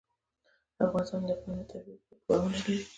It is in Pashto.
افغانستان د اقلیم د ترویج لپاره پروګرامونه لري.